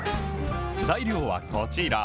材料はこちら。